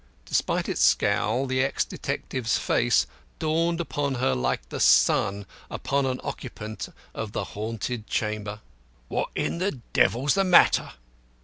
Despite its scowl the ex detective's face dawned upon her like the sun upon an occupant of the haunted chamber. "What in the devil's the matter?"